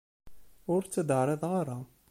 Ur tt-id-ɛriḍeɣ ara.